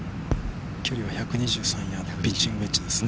距離は１２３ヤード、ピッチングウエッジです。